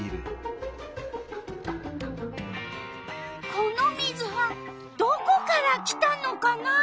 この水はどこから来たのかなあ？